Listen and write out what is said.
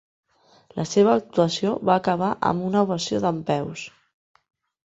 La seva actuació va acabar amb una ovació dempeus.